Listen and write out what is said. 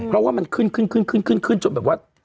เพราะว่ามันขึ้นจนแบบว่า